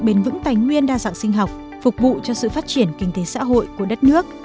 bền vững tài nguyên đa dạng sinh học phục vụ cho sự phát triển kinh tế xã hội của đất nước